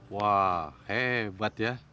wah hebat ya